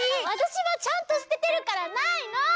わたしはちゃんとすててるからないの！